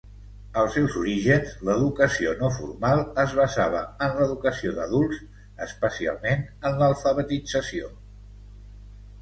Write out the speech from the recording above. Als seus orígens l'educació no formal es basava en l'educació d'adults, especialment en l'alfabetització.